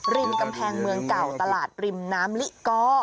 ริมกำแพงเมืองเก่าตลาดริมน้ำลิกอ